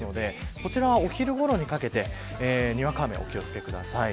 こちらは、お昼ごろにかけてにわか雨にお気を付けください。